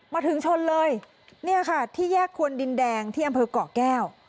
มาถึงชนเลยเนี่ยค่ะที่แยกควนดินแดงที่อำเภอกเกาะแก้ว